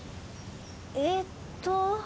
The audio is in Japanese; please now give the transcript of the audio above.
えっと？